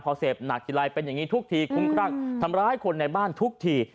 พอเสพหนักทีไรเป็นอย่างนี้ทุกทีคุ้มครั่งทำร้ายคนในบ้านทุกที